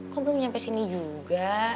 kok belum sampai sini juga